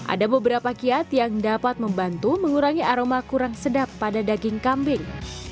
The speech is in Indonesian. ada beberapa kiat yang dapat membantu mengurangi aroma kurang sedap pada daging kambing